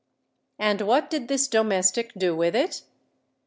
And what did this domestic do with it?